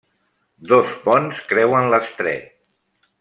Dos ponts creuen l'estret.